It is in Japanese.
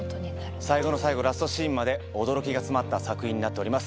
最後の最後ラストシーンまで驚きが詰まった作品になっております